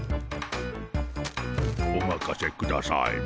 おまかせくださいモ。